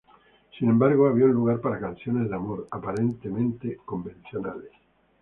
Sin embargo, había un lugar para canciones de amor aparentemente convencionales.